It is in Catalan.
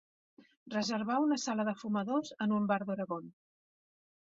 reservar una sala de fumadors en un bar d'Oregon